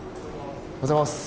おはようございます。